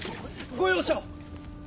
ご容赦を！